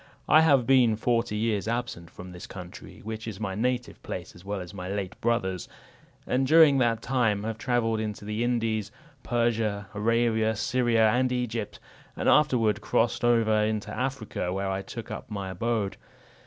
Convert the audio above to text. I have been forty years absent from this country, which is my native place, as well as my late brother's; and during that time have travelled into the Indies, Persia, Arabia, Syria, and Egypt, and afterward crossed over into Africa, where I took up my abode.